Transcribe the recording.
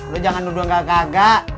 lu jangan duduk gak gagak